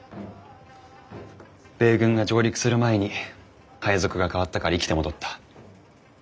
米軍が上陸する前に配属がかわったから生きて戻った。